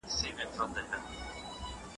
په یوې یې ستا د لاس تودوخه پاتې